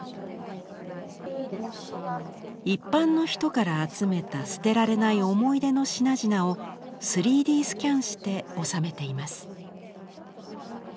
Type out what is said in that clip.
一般の人から集めた捨てられない思い出の品々を３Ｄスキャンして収めています。